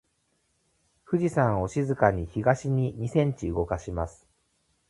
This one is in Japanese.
富士山を静かに東に二センチ動かします。